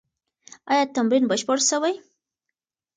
ایا تمرین بشپړ سوی؟